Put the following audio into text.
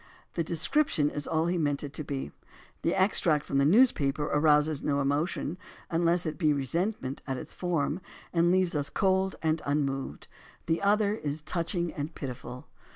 The description is all he meant it to be. The extract from the news paper arouses no emotion, unless it be resentment at its form, and leaves us cold and unmoved. The other is touching and pitiful.